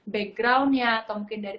backgroundnya atau mungkin dari